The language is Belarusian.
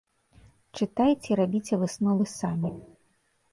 Чытайце і рабіце высновы самі.